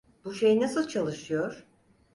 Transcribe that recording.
Bu şey nasıl çalışıyor?